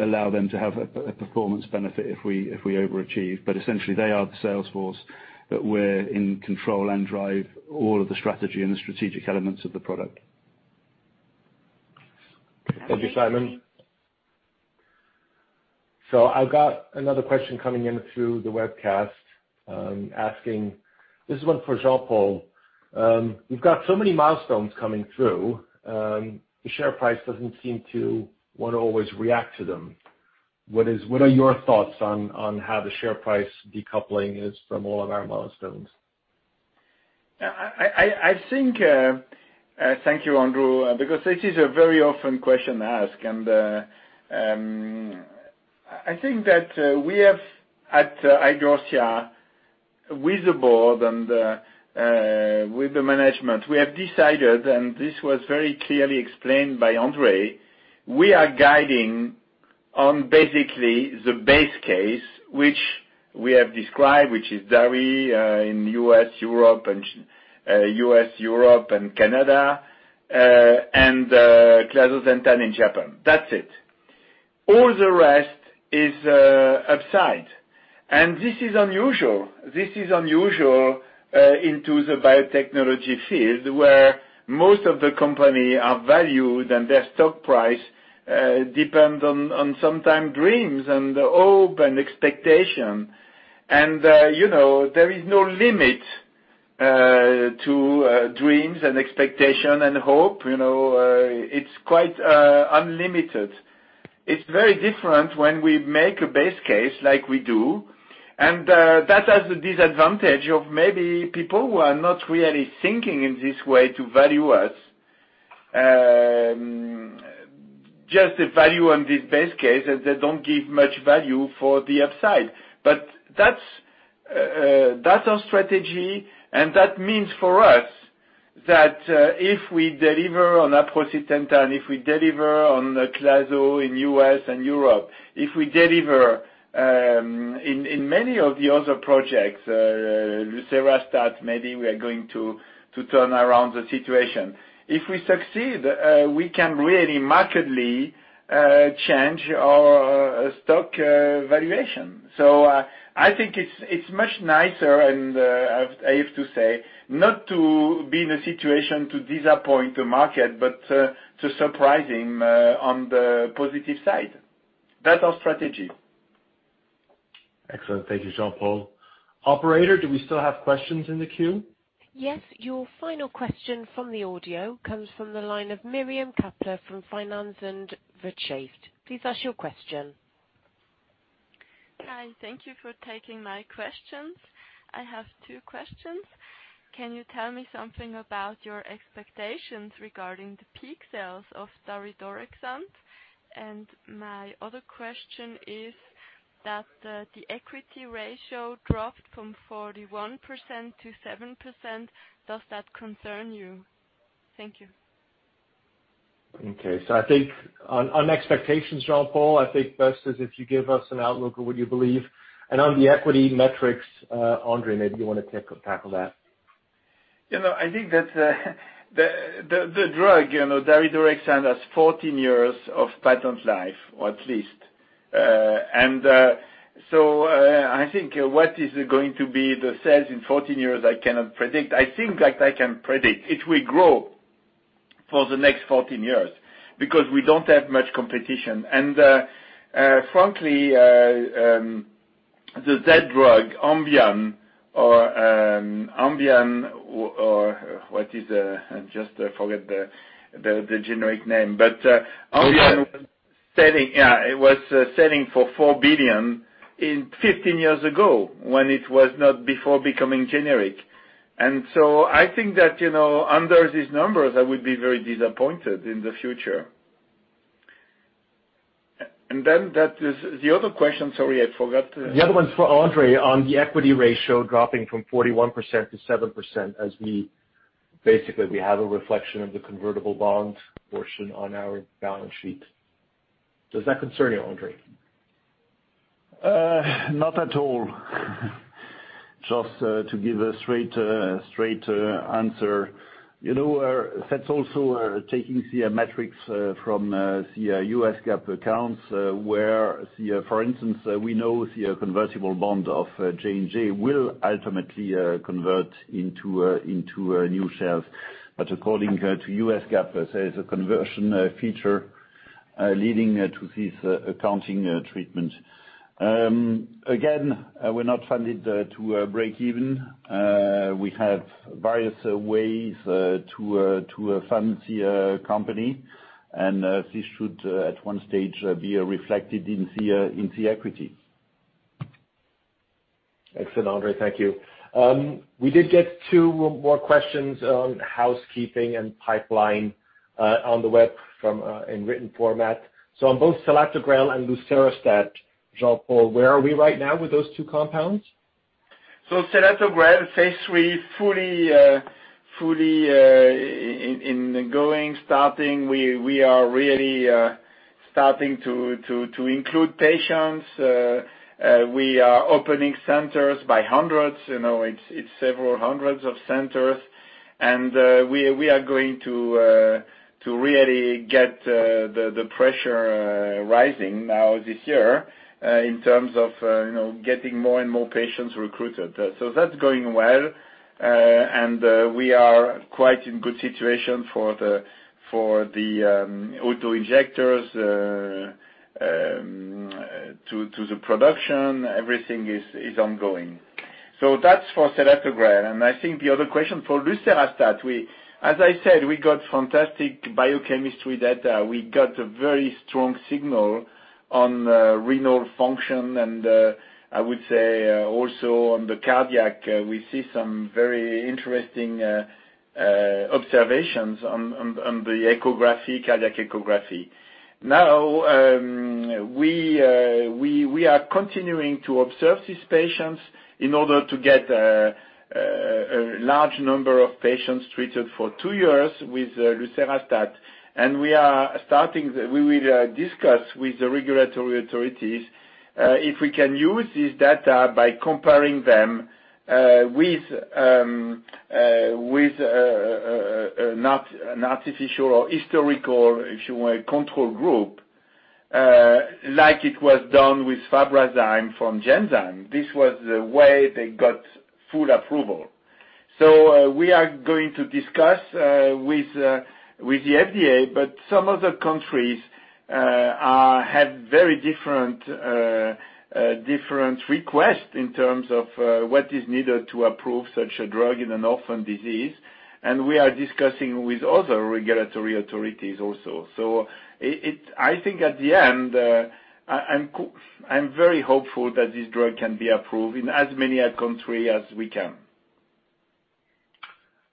allow them to have a performance benefit if we overachieve. Essentially, they are the sales force, but we're in control and drive all of the strategy and the strategic elements of the product. Thank you, Simon. I've got another question coming in through the webcast, asking. This is one for Jean-Paul. We've got so many milestones coming through, the share price doesn't seem to wanna always react to them. What are your thoughts on how the share price decoupling is from all of our milestones? I think, thank you, Andrew, because this is a very often question asked. I think that we have at Idorsia with the board and with the management, we have decided, and this was very clearly explained by André, we are guiding on basically the base case, which we have described, which is daridorexant in U.S., Europe, and Canada, and clazosentan in Japan. That's it. It's very different when we make a base case like we do, and that has the disadvantage of maybe people who are not really thinking in this way to value us, just the value on this base case, and they don't give much value for the upside. Excellent. Thank you, Jean-Paul. Operator, do we still have questions in the queue? Yes. Your final question from the audio comes from the line of Miriam Kappeler from Finanz und Wirtschaft. Please ask your question. Hi. Thank you for taking my questions. I have two questions. Can you tell me something about your expectations regarding the peak sales of daridorexant? My other question is that, the equity ratio dropped from 41% to 7%. Does that concern you? Thank you. Okay. I think on expectations, Jean-Paul, I think best is if you give us an outlook of what you believe. On the equity metrics, André, maybe you wanna take or tackle that. You know, I think that the drug, you know, daridorexant has 14 years of patent life, or at least. I think what is going to be the sales in 14 years, I cannot predict. I think that I can predict it will grow for the next 14 years because we don't have much competition. Frankly, the Z-drug, Ambien. I just forgot the generic name, but. Ambien. Yeah, it was selling for $4 billion 15 years ago, when it was not before becoming generic. I think that, you know, under these numbers, I would be very disappointed in the future. That is the other question. Sorry, I forgot. The other one's for André on the equity ratio dropping from 41% to 7% as we basically have a reflection of the convertible bond portion on our balance sheet. Does that concern you, André? Not at all. Just to give a straight answer. You know, that's also taking the metrics from the U.S. GAAP accounts, where, for instance, we know the convertible bond of J&J will ultimately convert into a new share. But according to U.S. GAAP, there's a conversion feature leading to this accounting treatment. Again, we're not funded to breakeven. We have various ways to fund the company. This should at one stage be reflected in the equity. Excellent, André. Thank you. We did get two more questions on housekeeping and pipeline, on the web from, in written format. On both selatogrel and lucerastat, Jean-Paul, where are we right now with those two compounds? Selatogrel, phase III, fully ongoing, starting. We are really starting to include patients. We are opening centers by hundreds, you know, it's several hundreds of centers. We are going to really get the pressure rising now this year, in terms of, you know, getting more and more patients recruited. I would say also on the cardiac, we see some very interesting observations on the cardiac echocardiogram. Now, we are continuing to observe these patients in order to get a large number of patients treated for two years with lucerastat. We will discuss with the regulatory authorities if we can use this data by comparing them with an artificial or historical, if you want, control group, like it was done with Fabrazyme from Genzyme. This was the way they got full approval. We are going to discuss with the FDA, but some other countries have very different requests in terms of what is needed to approve such a drug in an orphan disease. We are discussing with other regulatory authorities also. I think at the end, I'm very hopeful that this drug can be approved in as many a country as we can.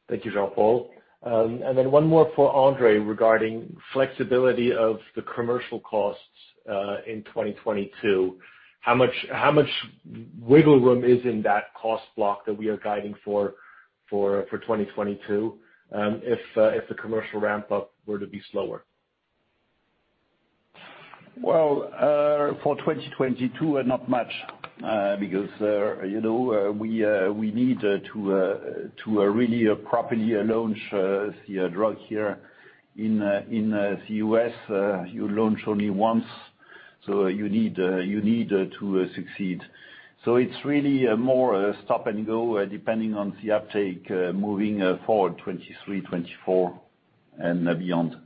Thank you, Jean-Paul. One more for André regarding flexibility of the commercial costs in 2022. How much wiggle room is in that cost block that we are guiding for 2022, if the commercial ramp-up were to be slower? Well, for 2022, not much. Because, you know, we need to really properly launch the drug here in the U.S. You launch only once, so you need to succeed. It's really more stop and go, depending on the uptake, moving forward 2023, 2024, and beyond.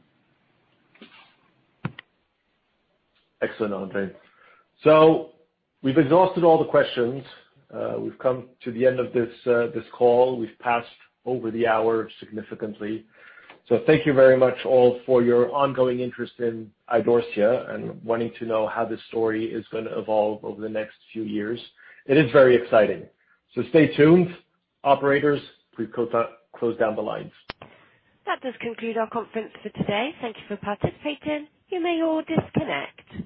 Excellent, André. We've exhausted all the questions. We've come to the end of this call. We've passed over the hour significantly. Thank you very much all for your ongoing interest in Idorsia and wanting to know how this story is gonna evolve over the next few years. It is very exciting. Stay tuned. Operators, please close down the lines. That does conclude our conference for today. Thank you for participating. You may all disconnect.